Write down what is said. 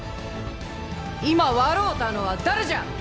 今笑うたのは誰じゃ！